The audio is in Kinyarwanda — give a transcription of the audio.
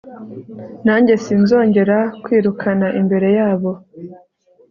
nanjye sinzongera kwirukana imbere yabo